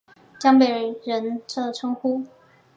江北人的称呼。